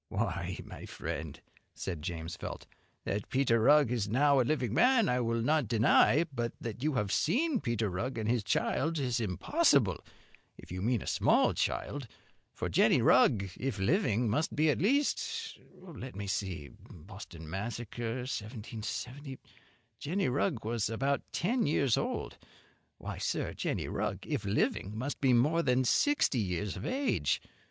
"Why, my friend," said James Felt, "that Peter Rugg is now a living man I will not deny; but that you have seen Peter Rugg and his child is impossible, if you mean a small child, for Jenny Rugg, if living, must be at least let me see Boston Massacre, 1770 Jenny Rugg was about ten years old. Why, sir, Jenny Rugg if living must be more than sixty years of age.